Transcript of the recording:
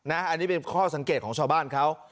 อันนี้เป็นข้อสังเกตของชาวบ้านเขา